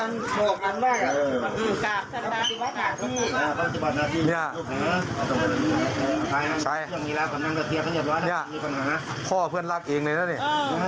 พ่อเพื่อนรักเองเลยนะเนี่ย